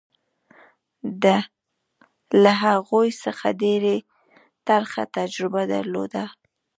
ده له هغوی څخه ډېره ترخه تجربه درلوده.